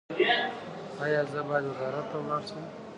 ایا زه باید وزارت ته لاړ شم؟